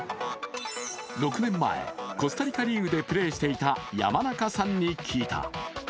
６年前、コスタリカリーグでプレーしていた山中さんに聞いた。